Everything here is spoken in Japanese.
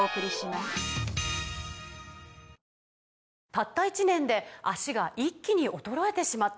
「たった１年で脚が一気に衰えてしまった」